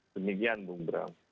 demikian bu bram